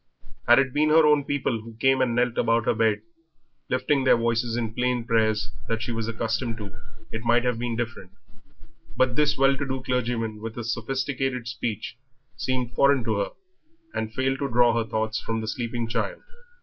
Had it been her own people who came and knelt about her bed, lifting their voices in the plain prayers she was accustomed to, it might have been different; but this well to do clergyman, with his sophisticated speech, seemed foreign to her, and failed to draw her thoughts from the sleeping child.